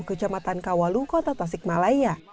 kecamatan kawalu kota tasikmalaya